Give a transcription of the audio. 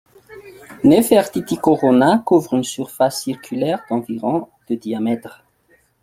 Nefertiti Corona couvre une surface circulaire d'environ de diamètre.